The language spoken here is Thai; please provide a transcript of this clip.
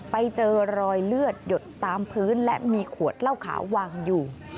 ไปเจอรอยเลือดหยดตามพื้นและมีขวดเหล้าขาววางอยู่